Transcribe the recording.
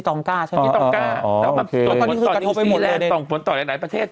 ต้องผลต่ออย่างหลายประเทศ